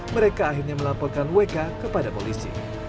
mereka akhirnya melaporkan wk kepada polisi